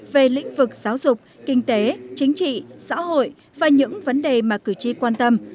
về lĩnh vực giáo dục kinh tế chính trị xã hội và những vấn đề mà cử tri quan tâm